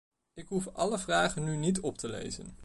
Ik hoef alle vragen nu niet op te lezen.